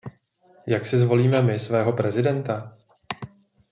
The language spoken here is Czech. Jak si zvolíme my svého prezidenta?